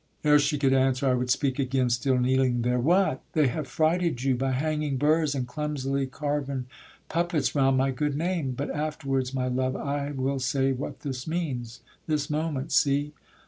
Ere she could answer I would speak again, Still kneeling there. What! they have frighted you, By hanging burs, and clumsily carven puppets, Round my good name; but afterwards, my love, I will say what this means; this moment, see!